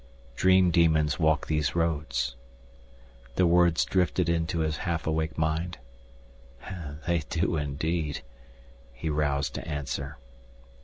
"Dream demons walk these roads." The words drifted into his half awake mind. "They do indeed," he roused to answer.